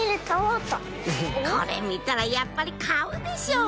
これ見たらやっぱり買うでしょ